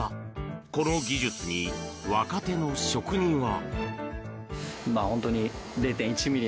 この技術に若手の職人は。